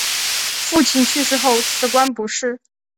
父亲去世后辞官不仕。